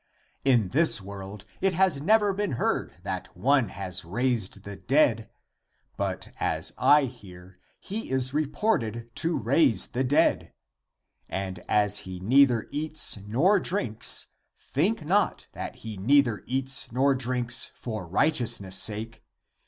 In this world it has never been heard that one has raised the dead. But as I hear, he is re ported to raise the dead. And as he neither eats 304 THE APOCRYPHAL ACTS nor drinks, think not, that he neither eats nor drinks for righteousness' sake.